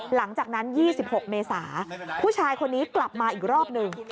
หลังจากนั้น๒๖เมษาผู้ชายคนนี้กลับมาอีกรอบหนึ่ง